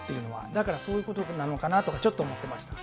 だからそういうことなのかなとか、ちょっと思ってました。